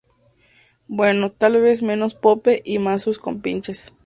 Bueno, tal vez menos Pope y más sus compinches".